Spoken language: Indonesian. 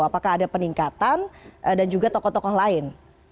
apakah ada peningkatan dan juga tokoh tokoh lain